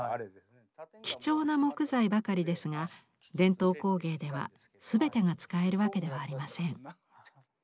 貴重な木材ばかりですが伝統工芸では全てが使えるわけではありません。